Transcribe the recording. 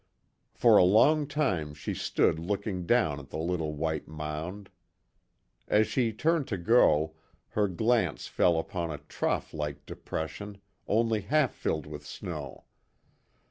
For a long time she stood looking down at the little white mound. As she turned to go, her glance fell upon a trough like depression, only half filled with snow.